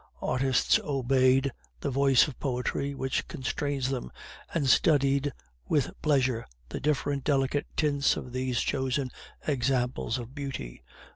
Artists obeyed the voice of poetry which constrains them, and studied with pleasure the different delicate tints of these chosen examples of beauty.